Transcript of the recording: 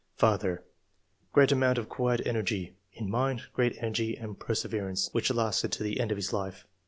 " Father — Great amount of quiet energy. In mind, great energy and perseverance, which lasted to the end of his life.